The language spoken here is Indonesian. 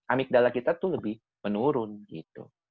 amigdala kita tuh lebih menurun gitu